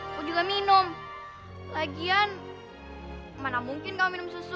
aku juga minum lagian mana mungkin kau minum susu